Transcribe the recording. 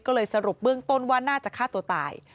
ก็เลยสรุปเบื้องต้นว่าน่าจะฆ่าตัวตาย